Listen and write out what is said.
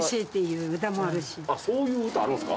あっそういう歌あるんすか？